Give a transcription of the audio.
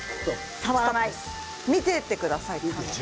見ていてください。